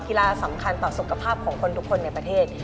ละสำคัญต่อสุขภาพของคนทุกคนในประเทศ